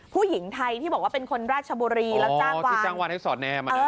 ผู้หญิงไทยที่บอกว่าเป็นคนราชบุรีอ๋อที่จ้างวันให้สอนแนม